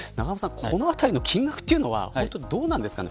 このあたりの金額はどうなんですかね